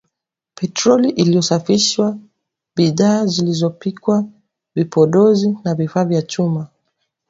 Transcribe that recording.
petroli iliyosafishwa, bidhaa zilizopikwa, vipodozi na vifaa vya chuma